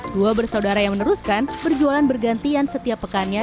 dua bersaudara yang meneruskan berjualan bergantian setiap pekannya